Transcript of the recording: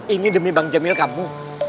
ini demi bang jamil kamu